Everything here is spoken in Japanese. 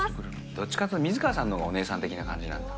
どっちかって言うと、水川さんのほうがお姉さん的な感じなんだ。